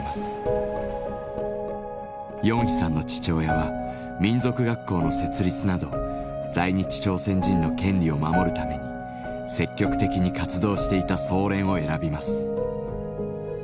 ヨンヒさんの父親は民族学校の設立など在日朝鮮人の権利を守るために積極的に活動していた総連を選びます。